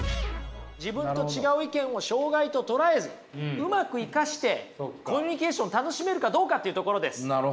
自分と違う意見を障害と捉えずうまく生かしてコミュニケーションを楽しめるかどうかというところです。